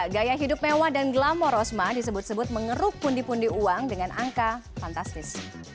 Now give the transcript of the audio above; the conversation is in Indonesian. gaya hidup mewah dan glamor rosma disebut sebut mengeruk pundi pundi uang dengan angka fantastis